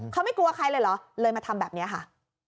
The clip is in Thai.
เขาไม่กลัวใครเลยเหรอเลยมาทำแบบนี้ค่ะ